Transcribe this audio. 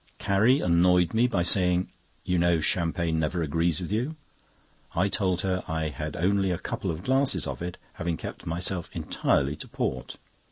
Carrie annoyed me by saying: "You know champagne never agrees with you." I told her I had only a couple of glasses of it, having kept myself entirely to port.